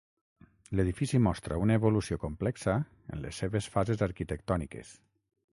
L'edifici mostra una evolució complexa en les seves fases arquitectòniques.